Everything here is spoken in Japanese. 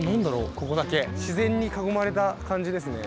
ここだけ自然に囲まれた感じですね。